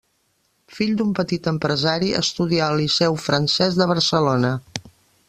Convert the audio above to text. Fill d'un petit empresari, estudià al Liceu francès de Barcelona.